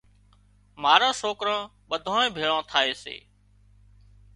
ماران سوڪران ٻڌانئين ڀيۯان ٿائي سي۔